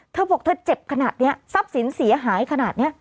เธอบอกเธอเจ็บขนาดนี้ทรัพย์สินเสียหายขนาดนี้